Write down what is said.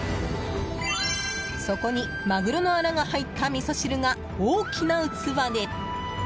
そこに、マグロのアラが入ったみそ汁が大きな器で。